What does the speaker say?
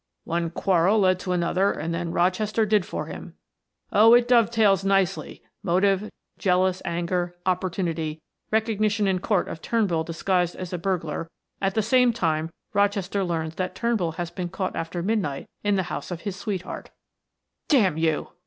"One quarrel led to another and then Rochester did for him. Oh, it dove tails nicely; motive, jealous anger; opportunity, recognition in court of Turnbull disguised as a burglar, at the same time Rochester learns that Turnbull has been caught after midnight in the house of his sweetheart " "D mn you!"